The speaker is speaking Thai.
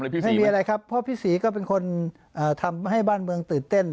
ไม่มีอะไรครับเพราะพี่ศรีก็เป็นคนทำให้บ้านเมืองตื่นเต้น